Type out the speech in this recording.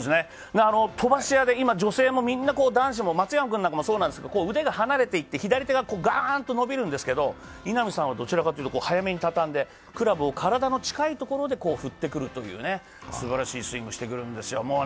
飛ばし屋で女性もみんな、男子も松山君なんかもそうなんですけど、腕が離れていって、左手がガーンと伸びるんですけど、稲見さんはどちらかというと早めに畳んでクラブを体の近いところで振ってくるという、すばらしいスイングをしてくるんですよ。